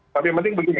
tapi yang penting begini